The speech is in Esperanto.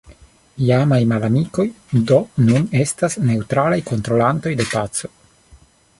Iamaj malamikoj do nun estas neŭtralaj kontrolantoj de paco.